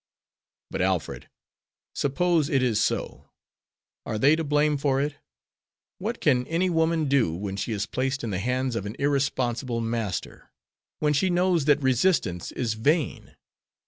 "But, Alfred, suppose it is so. Are they to blame for it? What can any woman do when she is placed in the hands of an irresponsible master; when she knows that resistance is vain?